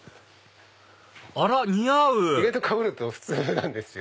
あら似合う意外とかぶると普通なんですよ。